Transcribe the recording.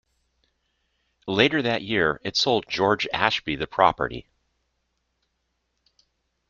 Later that year, it sold George Ashby the property.